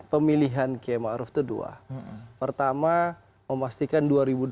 pertama memastikan dua ribu dua puluh empat